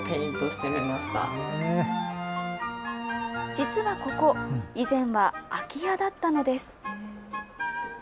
実はここ、以前は空き家だったのです。